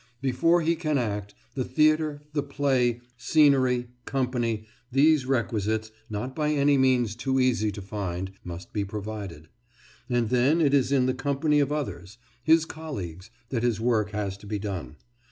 Before he can act, the theatre, the play, scenery, company, these requisites, not by any means too easy to find, must be provided. And then it is in the company of others, his colleagues, that his work has to be done.